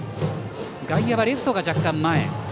外野はレフトが若干、前。